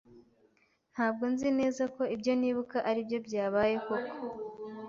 Ntabwo nzi neza ko ibyo nibuka aribyo byabaye koko.